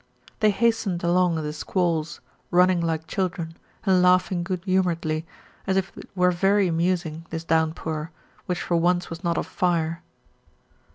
They hastened along in the squalls, running like children, and laughing good humouredly, as if it were very amusing, this downpour, which for once was not of fire.